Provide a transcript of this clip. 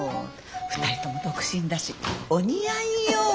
２人とも独身だしお似合いよぉ。